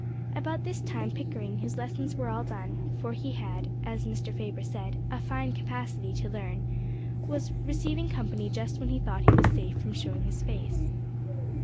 About this time, Pickering, whose lessons were all done, for he had, as Mr. Faber had said, "a fine capacity" to learn, was receiving company just when he thought he was safe from showing his face.